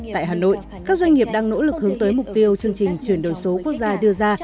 tại hà nội các doanh nghiệp đang nỗ lực hướng tới mục tiêu chương trình chuyển đổi số quốc gia đưa ra